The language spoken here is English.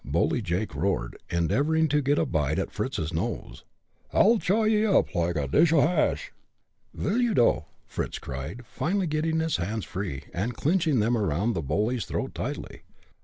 Bully Jake roared, endeavoring to get a bite at Fritz's nose. "I'll chaw ye all up like a dish o' hash!" "Vil, you, dough!" Fritz cried, finally getting his hands free, and clinching them around the bully's throat tightly.